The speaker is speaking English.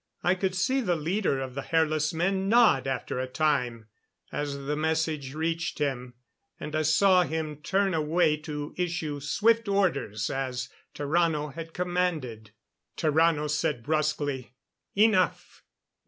I could see the leader of the hairless men nod after a time, as the message reached him. And I saw him turn away to issue swift orders as Tarrano had commanded. Tarrano said brusquely: "Enough!...